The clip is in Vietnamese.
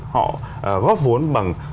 họ góp vốn bằng